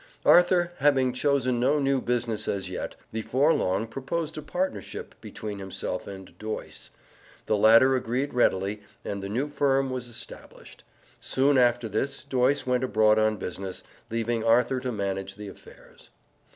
Arthur having chosen no new business as yet, before long proposed a partnership between himself and Doyce. The latter agreed readily, and the new firm was established. Soon after this Doyce went abroad on business, leaving Arthur to manage the affairs.